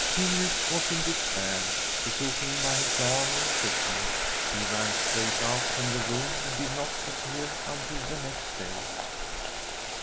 Ingrid was in despair. She took him by his arm and shook him. He ran straight out of the room, and did not appear until the next day.